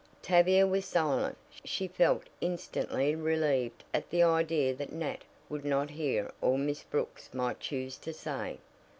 Tavia was silent. She felt instantly relieved at the idea that Nat would not hear all Miss Brooks might choose to say.